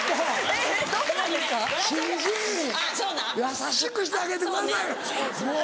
優しくしてあげてくださいよ。